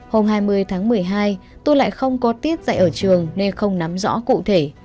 hôm hai mươi tháng một mươi hai tôi lại không có tiết dạy ở trường nên không nắm rõ cụ thể